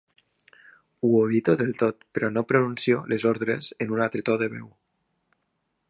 Ho evito del tot, però no pronuncio les ordres amb un altre to de veu.